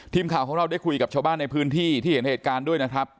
ทีมข่าวของเราได้คุยกับชาวบ้านในพื้นที่ที่เห็นเหตุการณ์ด้วยนะครับ